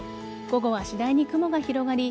午後は次第に雲が広がり